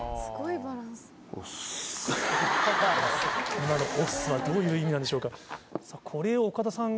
今の「オッス」はどういう意味なんでしょうか。